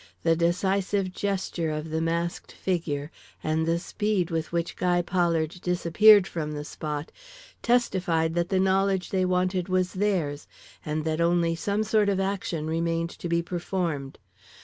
The decisive gesture of the masked figure, and the speed with which Guy Pollard disappeared from the spot, testified that the knowledge they wanted was theirs, and that only some sort of action remained to be performed.